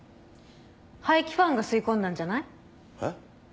排気ファンが吸い込んだんじゃない？え？